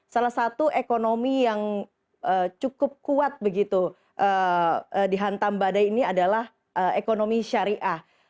salah satu ekonomi yang cukup kuat begitu dihantam badai ini adalah ekonomi syariah